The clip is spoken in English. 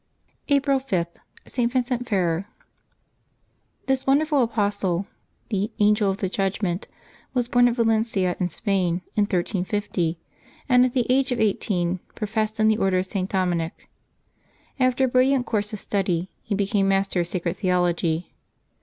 April 5— ST. VINCENT FERRER. CHis wonderful apostle^ the " Angel of the Judgment," was born at Valencia in Spain, in 1350, and at the age of eighteen professed in the Order of St. Dominic. After a brilliant course of study he became master of sacred theology.